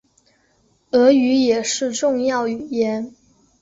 俄语也是重要语言。